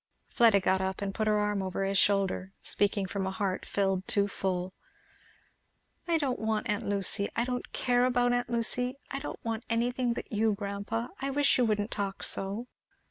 Fleda got up and put her arm over his shoulder, speaking from a heart filled too full. "I don't want aunt Lucy I don't care about aunt Lucy; I don't want anything but you, grandpa. I wish you wouldn't talk so."